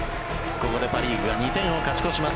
ここでパ・リーグが２点を勝ち越します